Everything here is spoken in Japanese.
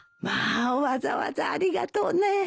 まあわざわざありがとうね。